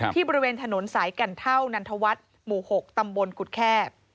บริเวณถนนสายแก่นเท่านันทวัฒน์หมู่๖ตำบลกุฎแคบ